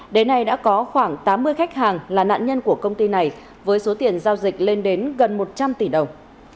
đến nay đã có khoảng tám mươi khách hàng là nạn nhân của công ty này với số tiền giao dịch lên đến gần một trăm linh tỷ đồng